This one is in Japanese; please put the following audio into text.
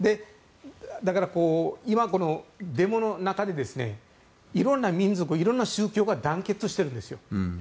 だから今、デモの中で色んな民族、色んな宗教が団結しているんですよ。